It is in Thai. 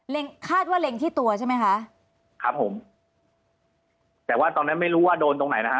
คาดว่าเล็งที่ตัวใช่ไหมคะครับผมแต่ว่าตอนนั้นไม่รู้ว่าโดนตรงไหนนะฮะ